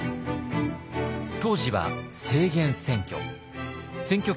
当時は制限選挙。